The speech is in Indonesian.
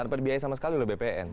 dapat dibiayai sama sekali oleh bpn